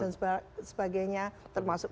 dan sebagainya termasuk